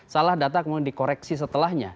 salah data kemudian dikoreksi setelahnya